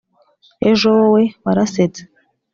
ejo wowe warasetse